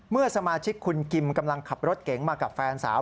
เมื่อสมาชิกคุณกิมกำลังขับรถเก๋งมากับแฟนสาว